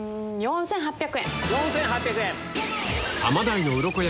４８００円。